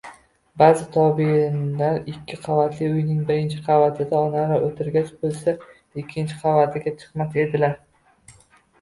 Baʼzi tobeinlar ikki qavatli uyning birinchi qavatida onalari oʻtirgan boʻlsa, ikkinchi qavatiga chiqmas edilar